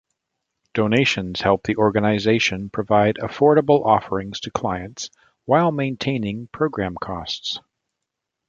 Donations help the organization provide affordable offerings to clients while maintaining program costs.